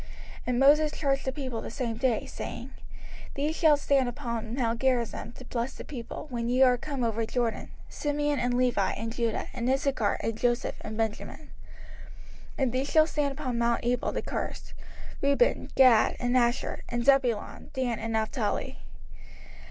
05:027:011 And Moses charged the people the same day, saying, 05:027:012 These shall stand upon mount Gerizim to bless the people, when ye are come over Jordan; Simeon, and Levi, and Judah, and Issachar, and Joseph, and Benjamin: 05:027:013 And these shall stand upon mount Ebal to curse; Reuben, Gad, and Asher, and Zebulun, Dan, and Naphtali.